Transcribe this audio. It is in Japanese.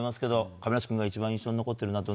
亀梨君が一番印象に残っているのは？